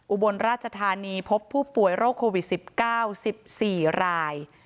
อุบลราชธานีพบผู้ป่วยโรคโควิด๑๙๑๔ราย